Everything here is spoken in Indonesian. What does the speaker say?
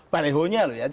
balehonya loh ya